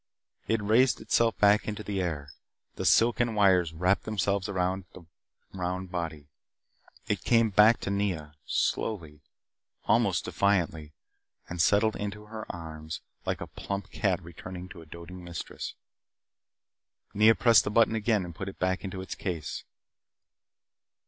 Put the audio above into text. It raised itself back into the air. The silken wires wrapped themselves about the round body. It came back to Nea slowly almost defiantly and settled into her arms like a plump cat returning to a doting mistress. Nea pressed the button again and put it back into its case.